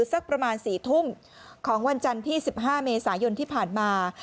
สักประมาณ๔ทุ่มของวันจันทร์ที่๑๕เมษายนที่ผ่านมา